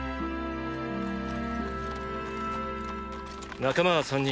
仲間は３人。